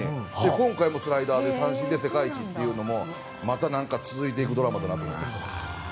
今回もスライダーで三振で世界一というのもまた続いていくドラマかなと思いましたね。